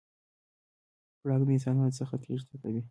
پړانګ د انسانانو څخه تېښته کوي.